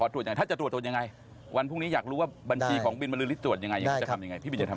ถ้าจะตรวจอย่างไร